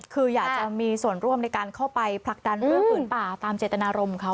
คืออยากจะมีส่วนร่วมในการเข้าไปผลักดันเรื่องผืนป่าตามเจตนารมณ์เขา